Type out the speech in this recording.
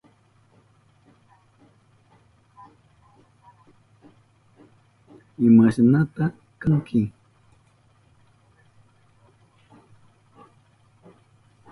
¿Imashnata kanki?